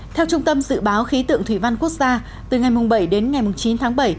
theo trung tâm dự báo khí tượng thủy văn quốc gia từ ngày bảy đến ngày chín tháng bảy